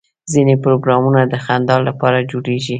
ځینې پروګرامونه د خندا لپاره جوړېږي.